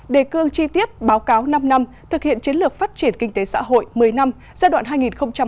đề cương chi tiết báo cáo năm năm thực hiện chiến lược phát triển kinh tế xã hội một mươi năm giai đoạn hai nghìn một mươi một hai nghìn ba mươi